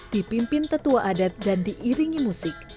dipimpin tetua adat dan diiringi musik